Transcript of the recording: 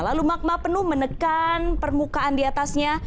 lalu magma penuh menekan permukaan di atasnya